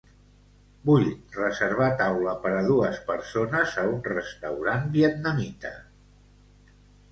Vull reservar taula per a dues persones a un restaurant vietnamita.